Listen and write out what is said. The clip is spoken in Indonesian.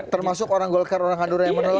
termasuk orang golkar orang handura yang menolong kita